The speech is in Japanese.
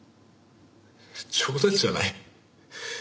冗談じゃない。